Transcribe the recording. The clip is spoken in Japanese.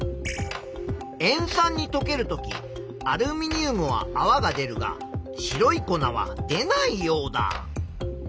塩酸にとけるときアルミニウムはあわが出るが白い粉は出ないヨウダ。